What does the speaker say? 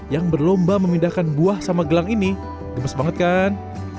yang berlomba memindahkan buah sama gelang ini gemes banget kan